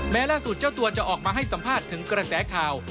แม้ล่าสุดเจ้าตัวจะออกมาให้สัมภาษณ์ถึงกระแสข่าว